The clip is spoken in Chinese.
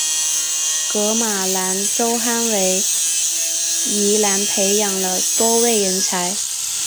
噶玛兰周刊为宜兰培养了多位人才。